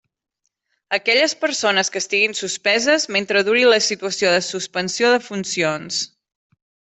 Aquelles persones que estiguin suspeses, mentre duri la situació de suspensió de funcions.